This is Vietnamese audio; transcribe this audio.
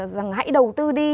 rằng hãy đầu tư đi